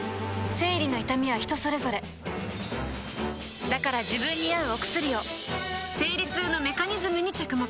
生理の痛みは人それぞれだから自分に合うお薬を生理痛のメカニズムに着目